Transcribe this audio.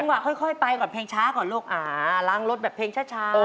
ว่าค่อยไปก่อนเพลงช้าก่อนลูกอ่าล้างรถแบบเพลงช้า